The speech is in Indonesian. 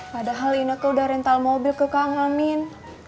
padahal indeke udah rental mobil ke kang amin